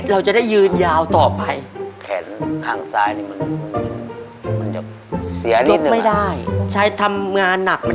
แล้วนี่มันจะมา๓๐ไง